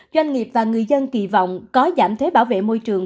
doanh nghiệp và người dân kỳ vọng có giảm thuế bảo vệ môi trường